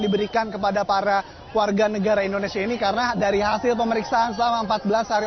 diberikan kepada para warga negara indonesia ini karena dari hasil pemeriksaan selama empat belas hari